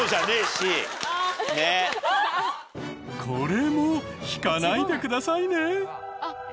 これも引かないでくださいね。